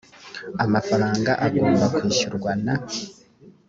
amafaranga agomba kwishyurwa na